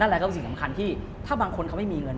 อะไรก็เป็นสิ่งสำคัญที่ถ้าบางคนเขาไม่มีเงิน